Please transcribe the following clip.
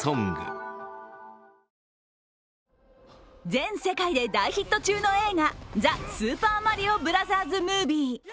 全世界で大ヒット中の映画「ザ・スーパーマリオブラザーズ・ムービー」。